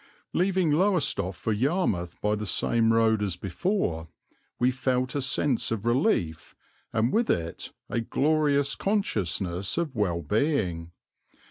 Leaving Lowestoft for Yarmouth by the same road as before, we felt a sense of relief and with it a glorious consciousness of well being.